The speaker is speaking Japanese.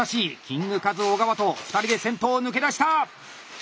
キングカズ小川と２人で先頭を抜け出した！